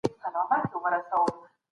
آيا ليکوال خپل ځان له خلګو ګوښه کړی؟